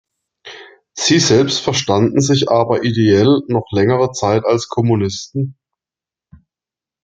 Sie selbst verstanden sich aber ideell noch längere Zeit als Kommunisten.